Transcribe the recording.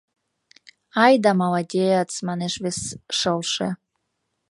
Ай-да молодец! — манеш вес шылше.